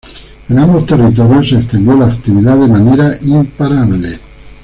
En ambos territorios se extendió la actividad de manera imparable.